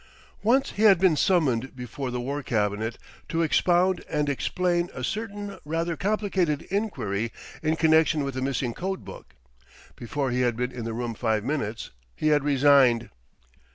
Once he had been summoned before the War Cabinet to expound and explain a certain rather complicated enquiry in connection with a missing code book. Before he had been in the room five minutes he had resigned.